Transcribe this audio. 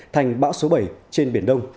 thành bão số bảy trên biển đông